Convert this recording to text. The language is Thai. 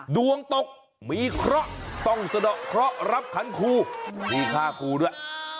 ดวงตกมีเคราะห์ต้องสะดอกเคราะห์รับขันครูมีค่าครูด้วย